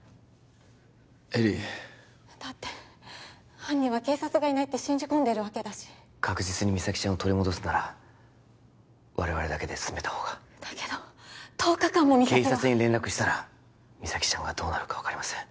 絵里だって犯人は警察がいないって信じ込んでるわけだし確実に実咲ちゃんを取り戻すなら我々だけで進めたほうがだけど１０日間も実咲は警察に連絡したら実咲ちゃんがどうなるか分かりません